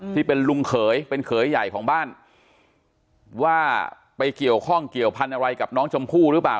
ที่เป็นลุงเขยเป็นเขยใหญ่ของบ้านว่าไปเกี่ยวข้องเกี่ยวพันธุ์อะไรกับน้องชมพู่หรือเปล่า